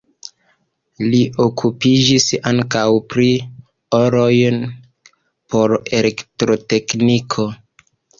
Li okupiĝis ankaŭ pri alojoj por elektrotekniko.